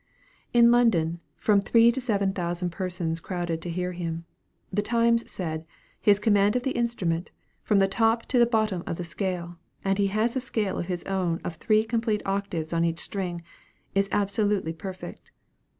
In London, from three to seven thousand persons crowded to hear him. The "Times" said, "His command of the instrument, from the top to the bottom of the scale and he has a scale of his own of three complete octaves on each string is absolutely perfect."